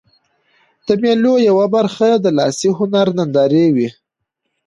د مېلو یوه برخه د لاسي هنرونو نندارې دي.